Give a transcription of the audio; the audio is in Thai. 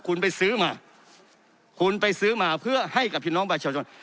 คุณไปซื้อมาคุณไปซื้อมาเพื่อให้กับพี่น้องประชาชน